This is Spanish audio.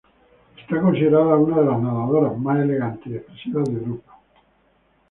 Es considerada una de las nadadoras más elegantes y expresivas de Europa.